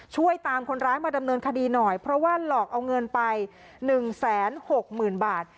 ช่วยตามคนร้ายมาดำเนินคดีหน่อยเพราะว่าหลอกเอาเงินไปหนึ่งแสนหกหมื่นบาท